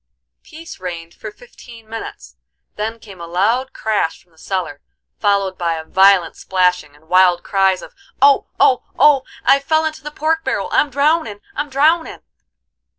Peace reigned for fifteen minutes; then came a loud crash from the cellar, followed by a violent splashing, and wild cries of, "Oh, oh, oh, I've fell into the pork barrel! I'm drownin', I'm drownin'!"